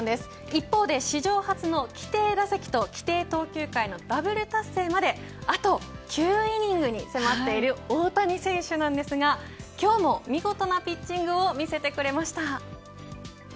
一方で史上初の規定打席と規定投球回のダブル達成まであと９イニングに迫っている大谷選手なんですが今日も見事なピッチングを見せてくれました。